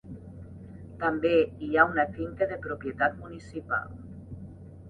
També hi ha una finca de propietat municipal.